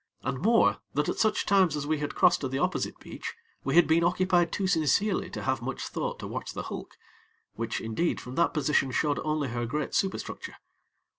And more, that at such times as we had crossed to the opposite beach, we had been occupied too sincerely to have much thought to watch the hulk, which, indeed, from that position showed only her great superstructure.